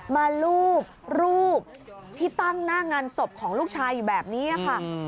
มารูปรูปที่ตั้งหน้างานศพของลูกชายอยู่แบบนี้ค่ะ